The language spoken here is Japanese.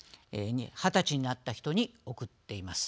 ２０歳になった人に送っています。